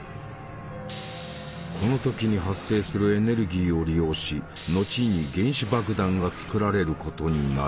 この時に発生するエネルギーを利用し後に原子爆弾が作られることになる。